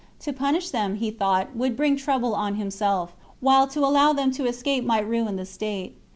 To punish them, he thought, would bring trouble on himself, while to allow them to escape might ruin the state.